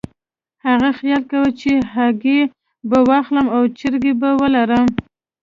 هغې خیال کولو چې هګۍ به واخلم او چرګې به ولرم.